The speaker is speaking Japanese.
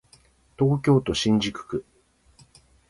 東京都新宿区